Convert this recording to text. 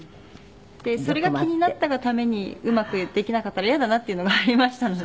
でそれが気になったがためにうまくできなかったら嫌だなっていうのがありましたので。